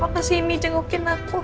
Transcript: kenapa sini jengukin aku